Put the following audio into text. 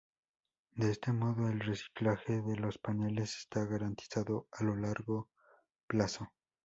De este modo, el reciclaje de los paneles está garantizado a largo plazo.